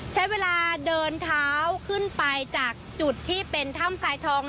ใช้เวลาเดินเท้าขึ้นไปจากจุดที่เป็นถ้ำสายทอง